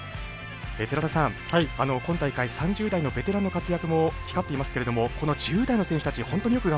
寺田さん、今大会３０代のベテランの活躍も光っていますけれどもこの１０代の選手たち